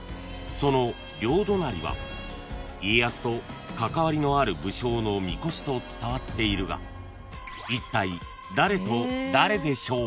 ［その両隣は家康と関わりのある武将のみこしと伝わっているがいったい誰と誰でしょう？］